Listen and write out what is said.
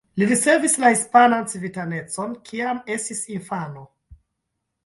Li ricevis la hispanan civitanecon kiam estis infano.